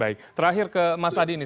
baik terakhir ke mas adi ini